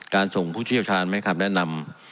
ส่งผู้เชี่ยวชาญมาให้คำแนะนำ